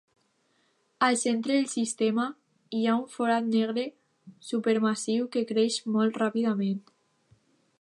Al centre del sistema, hi ha un forat negre supermassiu que creix molt ràpidament.